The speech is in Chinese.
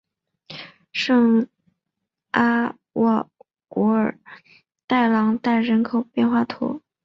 圣阿沃古尔代朗代人口变化图示